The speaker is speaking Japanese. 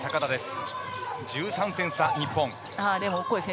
１３点差、日本。